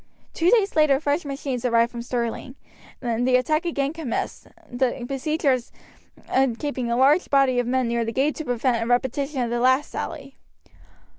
Two days later fresh machines arrived from Stirling, and the attack again commenced, the besiegers keeping a large body of men near the gate to prevent a repetition of the last sally.